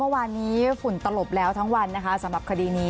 เมื่อวานนี้ฝุ่นตลบแล้วทั้งวันนะคะสำหรับคดีนี้